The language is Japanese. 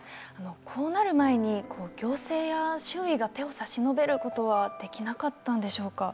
こうなる前に行政や周囲が手を差し伸べることはできなかったんでしょうか。